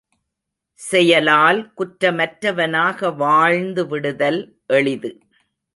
செயலால் குற்றமற்றவனாக வாழ்ந்து விடுதல் எளிது.